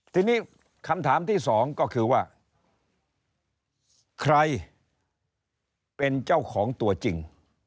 ทีนี้คำถามที่สองก็คือว่าใครเป็นเจ้าของตัวจริง